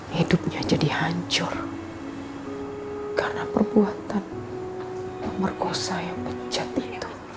hidupnya jadi hancur karena perbuatan pemerkosa yang pecat itu